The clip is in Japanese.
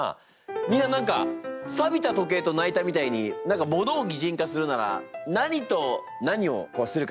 みんな何か「びた時計と泣いた」みたいに何か物を擬人化するなら何と何をするかな？